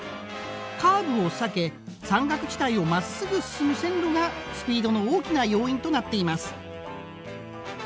カーブを避け山岳地帯をまっすぐ進む線路がスピードの大きな要因となっています。